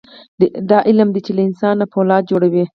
دا علم دی چې له انسان نه فولاد جوړوي.